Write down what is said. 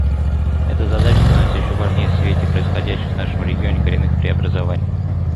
Эта задача становится еще важнее в свете происходящих в нашем регионе коренных преобразований.